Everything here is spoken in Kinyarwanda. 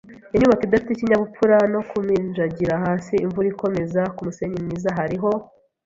inyubako idafite ikinyabupfura no kuminjagira hasi imvura ikomeza kumusenyi mwiza. Hariho